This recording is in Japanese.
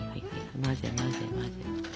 混ぜ混ぜ混ぜ。